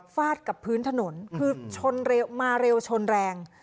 ฟาดกับพื้นถนนคือชนเร็วมาเร็วชนแรง